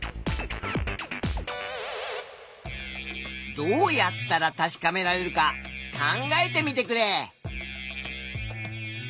どうやったら確かめられるか考えてみてくれ。